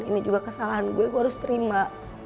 ini juga kesalahan gue gue harus terima